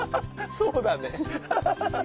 そうだね